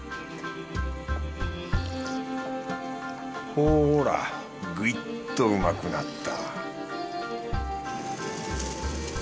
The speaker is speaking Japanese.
ほらぐいっとうまくなった